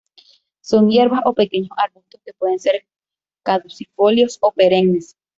Son hierbas o pequeños arbustos que pueden ser caducifolios o perennes.